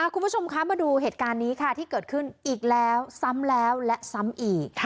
คุณผู้ชมคะมาดูเหตุการณ์นี้ค่ะที่เกิดขึ้นอีกแล้วซ้ำแล้วและซ้ำอีก